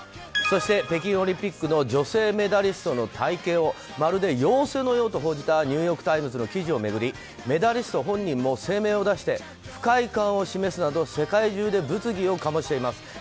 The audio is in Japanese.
そして、北京オリンピックの女性メダリストの体形をまるで妖精のようと報じたニューヨーク・タイムズの記事を巡りメダリスト本人も声明を出して不快感を示すなど世界中で物議を醸しています。